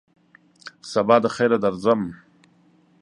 سبا دخیره درځم !